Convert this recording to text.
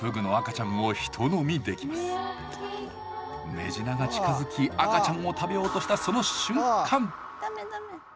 メジナが近づき赤ちゃんを食べようとしたその瞬間！